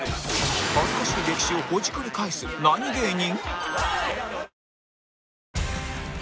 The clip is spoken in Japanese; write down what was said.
恥ずかしい歴史をほじくり返す何芸人？